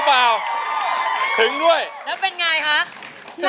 อย่างนี้เลยเขาลอยนี่เจ๊